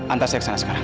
antasek sana sekarang